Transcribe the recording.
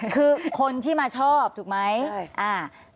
คือคนที่มาชอบถูกไหมใช่อ่า